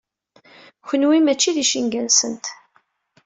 Kenwi mačči d icenga-nsent.